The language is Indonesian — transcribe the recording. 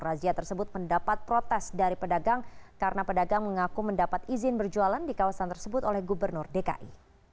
razia tersebut mendapat protes dari pedagang karena pedagang mengaku mendapat izin berjualan di kawasan tersebut oleh gubernur dki